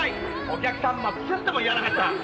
お客さんはクスっとも言わなかった。